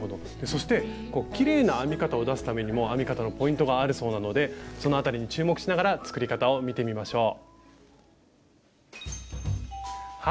そしてきれいな編み方を出すためにも編み方のポイントがあるそうなのでそのあたりに注目しながら作り方を見てみましょう。